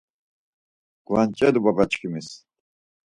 Gvanç̌elu babaçkimis.